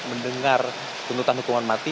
mendengar tuntutan hukuman mati